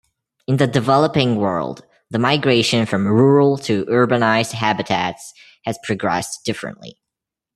In the developing world, the migration from rural to urbanized habitats has progressed differently.